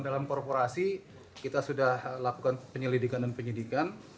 dalam korporasi kita sudah lakukan penyelidikan dan penyidikan